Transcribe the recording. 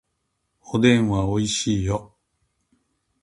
おでんはおいしいよ